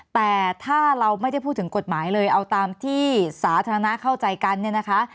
แต่ถ้าเราไม่ได้พูดถึงกฎหมายเลยเอาตามที่สาธารณะเข้าใจกันเนี่ยนะคะ